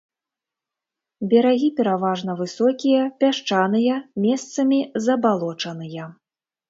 Берагі пераважна высокія, пясчаныя, месцамі забалочаныя.